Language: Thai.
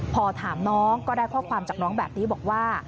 พอถามน้องก็ได้ข้อความจากน้องแบบนี้บอกว่า